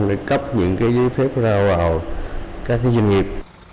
để cấp những cái giấy phép ra vào các doanh nghiệp